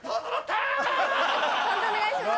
判定お願いします。